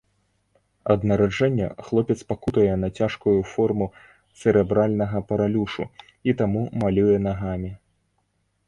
Ад нараджэння хлопец пакутуе на цяжкую форму цэрэбральнага паралюшу і таму малюе нагамі.